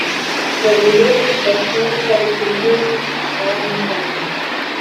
The village is best known for its ruined Norman castle.